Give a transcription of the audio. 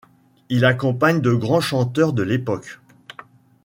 Il accompagne de grands chanteurs de l'époque.